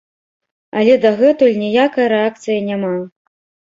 Але дагэтуль ніякай рэакцыі няма.